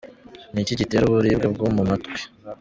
Ni iki gitera uburibwe bwo mu matwi?